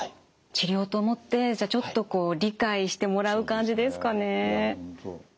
治療と思ってじゃあちょっとこう理解してもらう感じですかね。